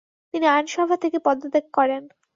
তিনি আইনসভা থেকে পদত্যাগ করেন।